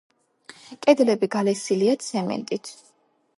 კედლები გალესილია ცემენტით.